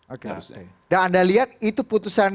oke dan anda lihat itu putusan